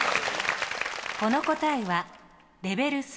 この答えはレベル３。